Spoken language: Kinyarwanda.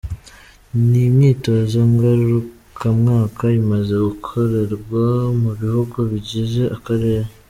Iyi myitozo ngarukamwaka imaze gukorerwa mu bihugu bigize akarere.